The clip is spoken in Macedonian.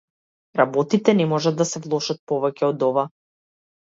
Работите не можат да се влошат повеќе од ова.